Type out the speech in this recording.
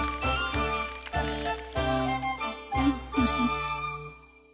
ウフフ。